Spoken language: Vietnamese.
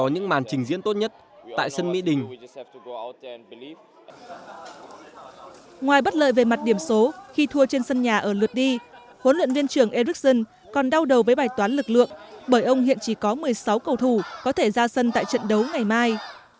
ngoài bất lợi về mặt điểm số khi thua trên sân nhà ở lượt đi huấn luyện viên trưởng ericsson còn đau đầu với bài toán lực lượng bởi ông hiện chỉ có một mươi sáu cầu thủ có thể ra sân tại trận đấu ngày mai